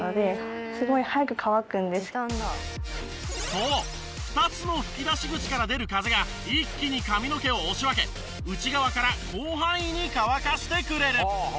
そう２つの吹き出し口から出る風が一気に髪の毛を押し分け内側から広範囲に乾かしてくれる。